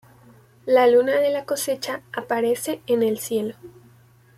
La luna de la cosecha aparece en el cielo.